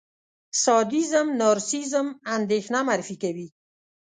سادېزم، نارسېسېزم، اندېښنه معرفي کوي.